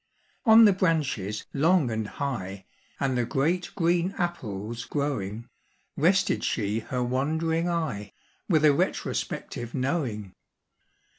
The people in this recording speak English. On the branches long and high, And the great green apples growing, Rested she her wandering eye, With a retrospective knowing.